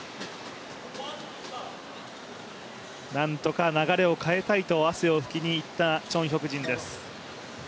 なんとか流れを変えたいと汗を拭きにいったチョン・ヒョクジンです。